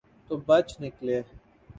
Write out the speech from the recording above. تو بچ نکلے۔